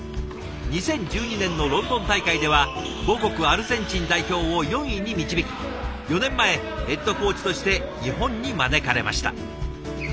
２０１２年のロンドン大会では母国アルゼンチン代表を４位に導き４年前ヘッドコーチとして日本に招かれました。